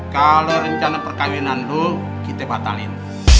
kalau rencana perkahwinan lo kita batalin